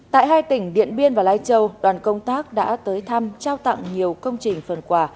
tại hai tỉnh điện biên và lai châu đoàn công tác đã tới thăm trao tặng nhiều công trình phần quà